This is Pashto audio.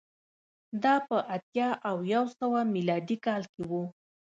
دا په اتیا او یو سوه میلادي کال کې و